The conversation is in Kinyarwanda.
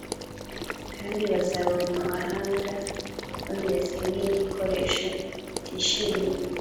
kandi bazaba mu mahanga bameze nk igikoresho kitishimiwe